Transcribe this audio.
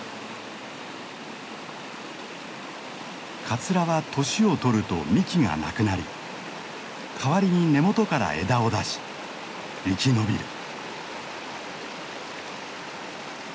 カツラは年をとると幹がなくなり代わりに根元から枝を出し生き延びる。